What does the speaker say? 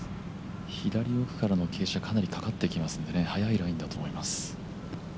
左奥からの傾斜かなりかかってきますので速いラインだと思います。